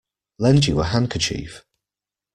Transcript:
Lend you a handkerchief?